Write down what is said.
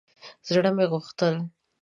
زړه مې غوښتل